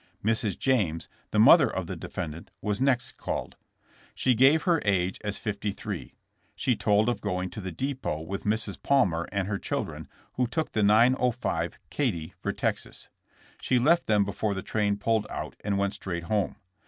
Mrs. James, the mother of the defendant, was next called. She gave her age as fifty three. She told of going to the depot with Mrs. Palmer and her children, who took the 9:05 ''Katy" for Texas. She left them before the train pulled out and went straight home.